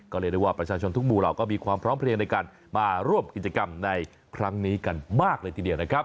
ก็เรียกได้ว่าประชาชนทุกหมู่เหล่าก็มีความพร้อมเพลียงในการมาร่วมกิจกรรมในครั้งนี้กันมากเลยทีเดียวนะครับ